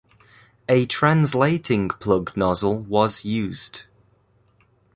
A translating plug nozzle was used.